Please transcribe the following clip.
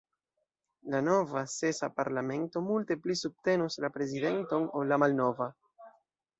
La nova, sesa, parlamento multe pli subtenos la prezidenton ol la malnova.